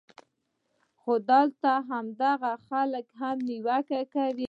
خو دلته هاغه خلک هم نېوکې کوي